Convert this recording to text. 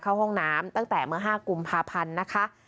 เข้าห้องน้ำตั้งแต่เมื่อ๕กุมภาพันธ์นะคะ